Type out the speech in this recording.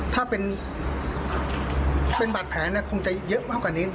ถ้าเป็นบาดแผลคงจะเยอะมากกว่านี้